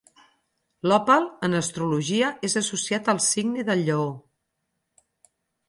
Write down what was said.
L'òpal, en astrologia, és associat al signe del Lleó.